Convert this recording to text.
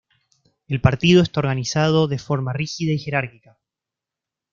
El Partido está organizado de forma rígida y jerárquica.